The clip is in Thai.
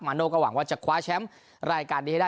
มานหว่างว่าจะขว้าแชมป์รายการว่าได้ได้